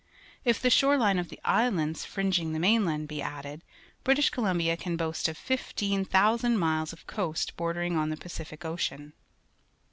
If the shore hne of the islands fringing the mainland be added, British Columbia can boast of 15,000 miles of coast bordering on the Pacific Ocean.